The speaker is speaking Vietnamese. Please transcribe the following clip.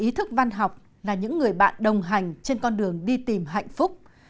ý thức văn học là những người bạn đồng hành trên con đường đi tìm hạnh phúc